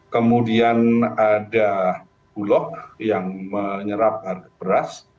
kemudian ada bulog yang menyerap harga beras